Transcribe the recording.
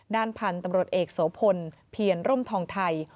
ด้านพันธุ์ตำรวจเอกโสพลเพียรร่มทองไทย